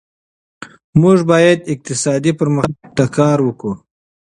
موږ باید اقتصادي پرمختګ ته کار وکړو.